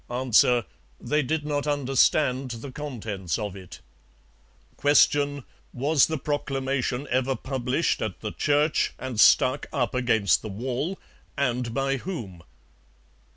A. They did not understand the contents of it. Q. Was the proclamation ever published at the church and stuck up against the wall, and by whom?